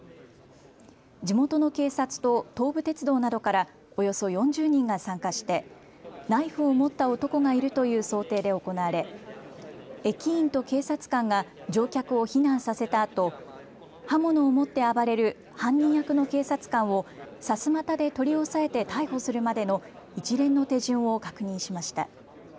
地元の警察と東武鉄道などからおよそ４０人が参加してナイフを持った男がいるという想定で行われ、駅員と警察官が乗客を避難させたあと刃物を持って暴れる犯人役の警察官をさすまたで取り押さえて逮捕するまでの一連の手順を確認しました。